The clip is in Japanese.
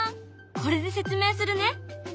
これで説明するね。